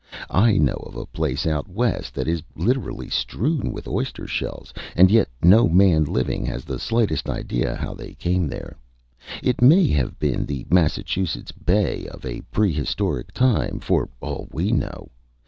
I know of a place out West that is literally strewn with oyster shells, and yet no man living has the slightest idea how they came there. It may have been the Massachusetts Bay of a pre historic time, for all we know.